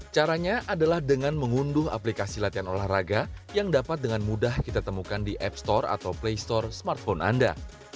caranya adalah dengan mengunduh aplikasi latihan olahraga yang dapat dengan mudah kita temukan di app store atau play store smartphone anda